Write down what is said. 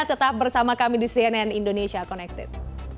tetap bersama kami di cnn indonesia connected